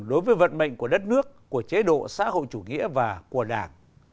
đối với vận mệnh của đất nước của chế độ xã hội chủ nghĩa và của đảng